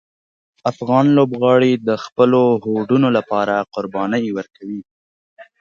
افغان لوبغاړي د خپلو هوډونو لپاره قربانۍ ورکوي.